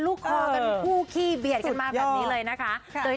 ลูกคอกันคู่ขี้เบียดกันมาแบบนี้เลยนะคะ